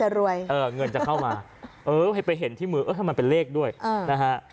รวยเออเงินจะเข้ามาเออให้ไปเห็นที่มือเออทำไมมันเป็นเลขด้วยนะฮะ